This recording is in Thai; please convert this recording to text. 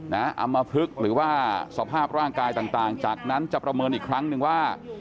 อำมพลึกหรือว่าสภาพร่างกายต่างจากนั้นจะประเมินอีกครั้งหนึ่งว่า